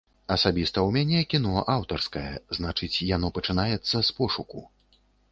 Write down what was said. Асабіста ў мяне кіно аўтарскае, значыць, яно пачынаецца з пошуку.